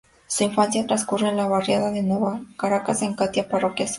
Su infancia trascurre en la barriada de Nueva Caracas en Catia, parroquia Sucre.